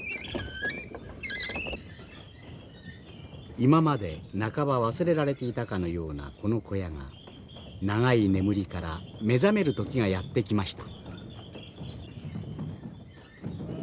今まで半ば忘れられていたかのようなこの小屋が長い眠りから目覚める時がやって来ました。